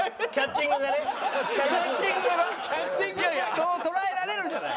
そう捉えられるじゃない。